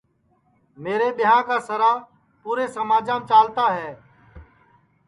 میرے ٻیاں کی سَرا پُورے چالتا ہے